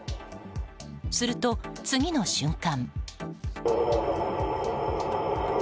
すると次の瞬間。